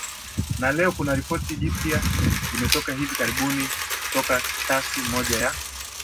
na leo kuna ripoti jipya limetoka hivi karibuni kutoka tasi moja ya